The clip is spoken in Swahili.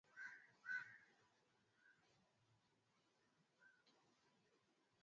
Mahakama ya Hesabu Mahakama Kuu ya Mahakama ya